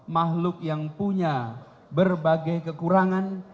makhluk yang punya berbagai kekurangan